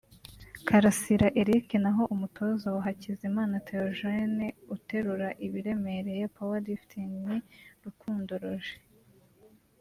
Karasira Eric naho umutoza wa Hakizimana Théogène uterura ibiremereye (power lifting) ni Rukundo Roger